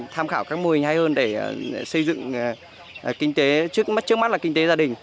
tham khảo các mô hình hay hơn để xây dựng kinh tế trước mắt là kinh tế gia đình